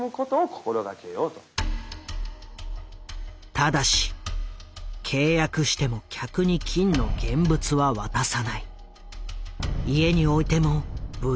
ただし契約しても客に金の現物は渡さない。